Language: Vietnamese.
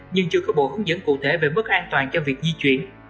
nhưng chưa có bộ hướng dẫn cụ thể về mức an toàn cho việc di chuyển